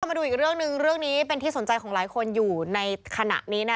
มาดูอีกเรื่องหนึ่งเรื่องนี้เป็นที่สนใจของหลายคนอยู่ในขณะนี้